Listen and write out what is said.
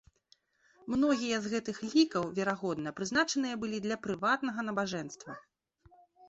Многія з гэтых лікаў, верагодна, прызначаныя былі для прыватнага набажэнства.